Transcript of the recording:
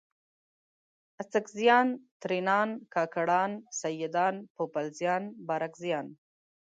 اڅکزیان، ترینان، کاکړان، سیدان ، پوپلزیان، بارکزیان